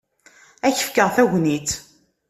Ad k-fkeɣ tagnit.